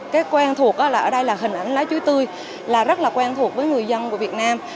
cái quen thuộc là ở đây là hình ảnh lá chuối tươi là rất là quen thuộc với người dân của việt nam